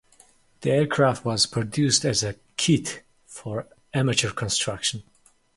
The aircraft was produced as a kit for amateur construction.